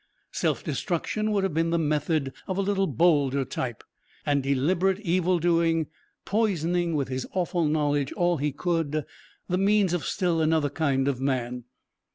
Self destruction would have been the method of a little bolder type; and deliberate evil doing, poisoning with his awful knowledge all he could, the means of still another kind of man.